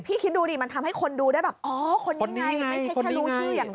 คิดดูดิมันทำให้คนดูได้แบบอ๋อคนนี้ไงไม่ใช่แค่รู้ชื่ออย่างนั้น